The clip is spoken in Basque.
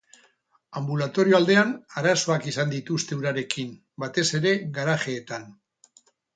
Anbulatorio aldean, arazoak izan dituzte urarekin, batez ere garajeetan.